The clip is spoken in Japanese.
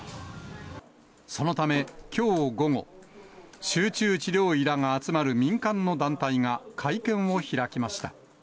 そのため、きょう午後、集中治療医らが集まる民間の団体が会見を開きました。